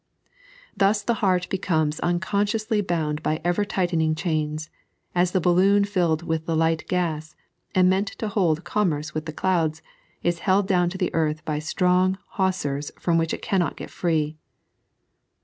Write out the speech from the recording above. Thus the heart becomes uncon sciously bound by ever tightening chains, as the balloon filled with the light gas, and meant to hold commerce with the clouds, is held down to the earth by strong hawsers from which it cannot get free.